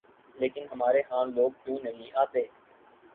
لیکن ہمارے ہاں لوگ کیوں نہیں آتے؟